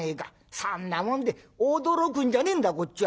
そんなもんで驚くんじゃねえんだこっちは」。